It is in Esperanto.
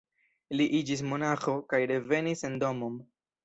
Li iĝis monaĥo kaj revenis en domon.